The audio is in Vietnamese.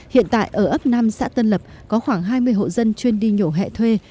hiện tại ở ấp năm xã tân lập có khoảng hai mươi hộ dân chuyên đi nhổ hẹ thuê